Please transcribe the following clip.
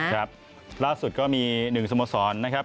ครับล่าสุดก็มี๑สโมสรนะครับ